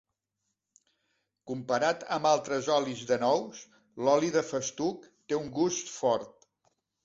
Comparat amb altres olis de nous l'oli de festuc té un gust fort.